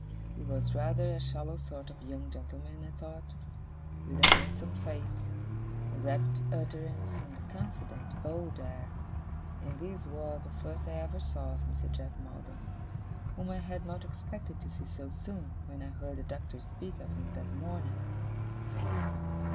He was rather a shallow sort of young gentleman, I thought, with a handsome face, a rapid utterance, and a confident, bold air. And this was the first I ever saw of Mr. Jack Maldon; whom I had not expected to see so soon, when I heard the Doctor speak of him that morning.